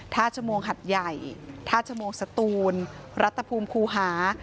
ชมวงหัดใหญ่ท่าชมวงสตูนรัฐภูมิคูหา